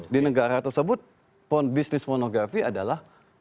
di negara tersebut bisnis pornografi adalah halal